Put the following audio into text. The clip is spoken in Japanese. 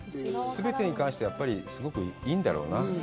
全てに関して、すごくいいんだろうな。